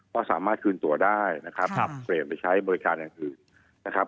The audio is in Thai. ก็สามารถคืนตัวได้นะครับเปลี่ยนไปใช้บริการอย่างอื่นนะครับ